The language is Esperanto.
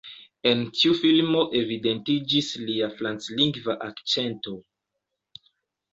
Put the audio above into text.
En tiu filmo evidentiĝis lia franclingva akĉento.